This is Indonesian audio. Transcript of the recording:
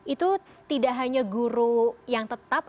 itu tidak hanya guru yang tetap